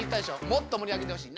もっと盛り上げてほしい。